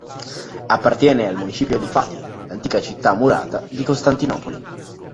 Appartiene al municipio di Fatih, l'antica città murata di Costantinopoli.